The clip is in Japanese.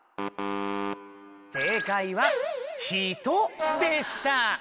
正解は「人」でした。